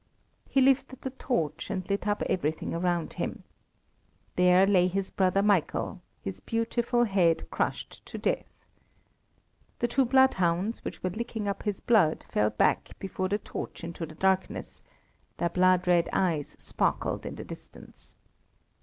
He lifted the torch and lit up everything around him. There lay his brother Michael, his beautiful head crushed to death. The two bloodhounds, which were licking up his blood, fell back before the torch into the darkness; their blood red eyes sparkled in the distance.